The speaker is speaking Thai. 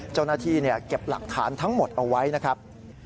เจ้าหน้าที่เก็บหลักฐานทั้งหมดเอาไว้นะครับ